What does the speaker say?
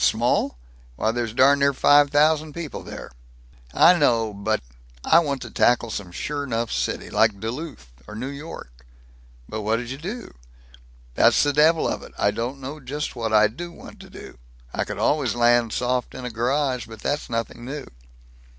"Small? Why, there's darn near five thousand people there!" "I know, but I want to tackle some sure nuff city. Like Duluth or New York." "But what'd you do?" "That's the devil of it. I don't know just what I do want to do. I could always land soft in a garage, but that's nothing new.